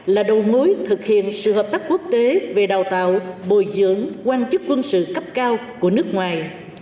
là đầu mối thực hiện sự hợp tác quốc tế về đào tạo bồi dưỡng quan chức quân sự cấp cao của nước ngoài